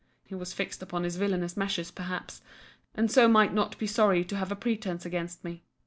He was fixed upon his villanous measures perhaps; and so might not be sorry to have a pretence against me.